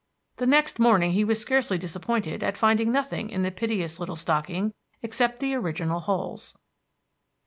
The next morning he was scarcely disappointed at finding nothing in the piteous little stocking, except the original holes.